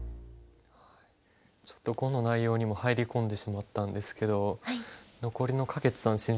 ちょっと碁の内容にも入り込んでしまったんですけど残りの柯潔さん